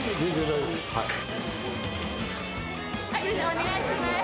お願いします。